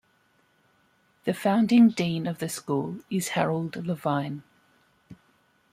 The founding dean of the school is Harold Levine.